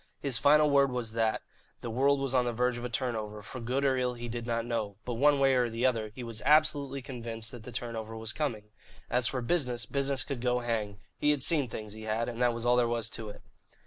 His final word was that, the world was on the verge of a turnover, for good or ill he did not know, but, one way or the other, he was absolutely convinced that the turnover was coming. As for business, business could go hang. He had seen things, he had, and that was all there was to it.